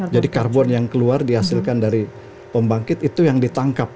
jadi karbon yang keluar dihasilkan dari pembangkit itu yang ditangkap